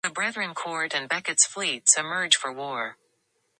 The Brethren Court and Beckett's fleets emerge for war.